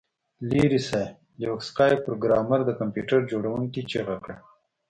لیرې شه لیوک سکای پروګرامر د کمپیوټر جوړونکي چیغه کړه